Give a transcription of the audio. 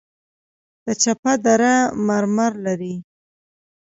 د چپه دره مرمر لري